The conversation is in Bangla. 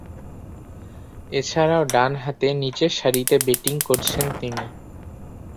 এছাড়াও, ডানহাতে নিচেরসারিতে ব্যাটিং করছেন তিনি।